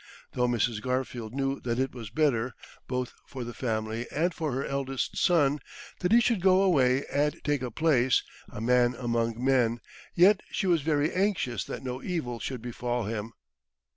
Though Mrs. Garfield knew that it was better, both for the family and for her eldest son, that he should go away and take a place, a man among men, yet she was very anxious that no evil should befall him.